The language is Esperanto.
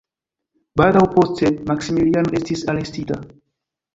Baldaŭ poste Maksimiliano estis arestita.